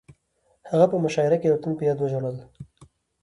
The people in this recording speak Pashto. هغه په مشاعره کې د وطن په یاد وژړل